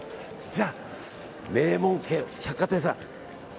じゃあ、名門百貨店さん。